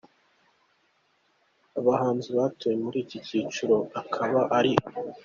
Abahanzi batowe muri iki cyiciro akaba ari:.